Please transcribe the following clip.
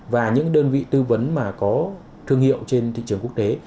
và những đơn vị tư vấn mà có thương hiệu trên thị trường quốc tế